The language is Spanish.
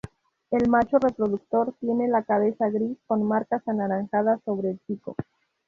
El macho reproductor tiene la cabeza gris con marcas anaranjadas sobre el pico.